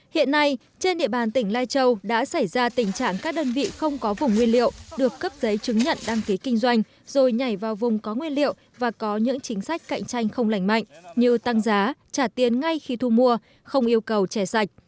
hiện nay trên địa bàn tỉnh lai châu đã xảy ra tình trạng các đơn vị không có vùng nguyên liệu được cấp giấy chứng nhận đăng ký kinh doanh rồi nhảy vào vùng có nguyên liệu và có những chính sách cạnh tranh không lành mạnh như tăng giá trả tiền ngay khi thu mua không yêu cầu chè sạch